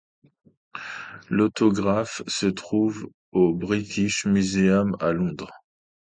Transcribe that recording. L'autographe se trouve au British Museum à Londres.